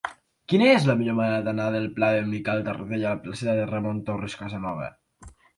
Quina és la millor manera d'anar del pla de Miquel Tarradell a la placeta de Ramon Torres Casanova?